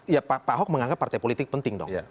ya pak ahok menganggap partai politik penting dong